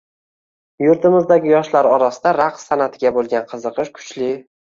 yurtimizdagi yoshlar orasida raqs san’atiga bo‘lgan qiziqish kuchli